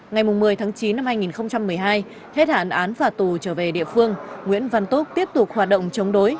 ngày một mươi tháng chín năm hai nghìn một mươi hai hết hạn án phạt tù trở về địa phương nguyễn văn tốt tiếp tục hoạt động chống đối